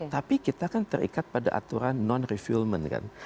tapi kita kan terikat pada aturan non refuelment